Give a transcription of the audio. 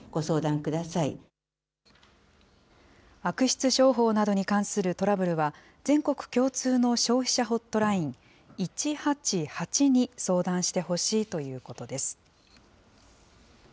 悪質商法などに関するトラブルは、全国共通の消費者ホットライン１８８に相談してほしいということです。